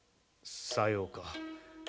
さようか。